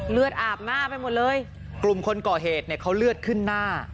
เลือดอาบหน้าไปหมดเลยกลุ่มคนก่อเหตุเนี่ยเขาเลือดขึ้นหน้า